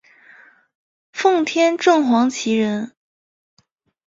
奉天正黄旗人。